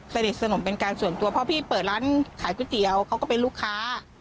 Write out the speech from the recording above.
สนิทสนมเป็นการส่วนตัวเพราะพี่เปิดร้านขายก๋วยเตี๋ยวเขาก็เป็นลูกค้า